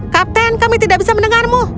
kapten kami tidak bisa mendengarmu